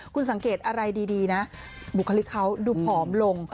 คุณสังเกตอะไรดีนะบุคลิกเขาดูผอมลง